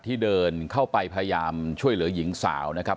ที่เดินเข้าไปพยายามช่วยเหลือหญิงสาวนะครับ